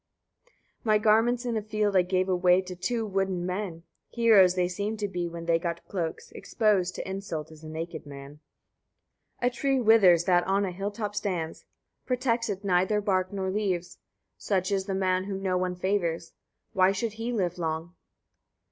49. My garments in a field I gave away to two wooden men: heroes they seemed to be, when they got cloaks: exposed to insult is a naked man. 50. A tree withers that on a hill top stands; protects it neither bark nor leaves: such is the man whom no one favours: why should he live long?